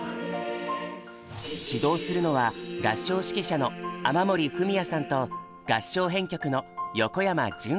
指導するのは合唱指揮者の雨森文也さんと合唱編曲の横山潤子さん。